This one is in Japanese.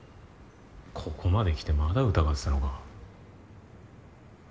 ここまで来てまだ疑ってたのか。